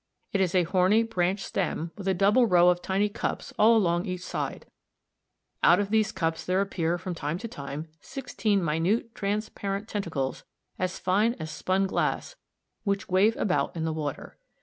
It is a horny branched stem with a double row of tiny cups all along each side (see Fig. 67). Out of these cups there appear from time to time sixteen minute transparent tentacles as fine as spun glass, which wave about in the water.